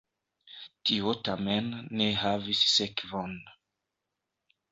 Tio tamen ne havis sekvon.